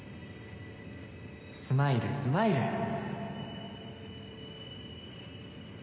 スマイルスマイル！